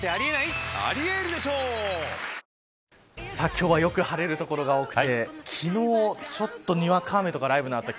今日はよく晴れる所が多くて昨日ちょっとにわか雨とか雷雨があった。